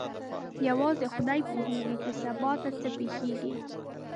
یوازې خدای پوهېږي چې سبا ته څه پېښیږي.